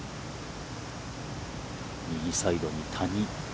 右サイドに谷。